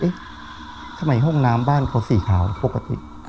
ทำไมห้องน้ำบ้านเขาสีขาวปกติ